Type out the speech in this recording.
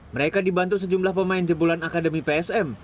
mereka dibantu sejumlah pemain jebulan akademi psm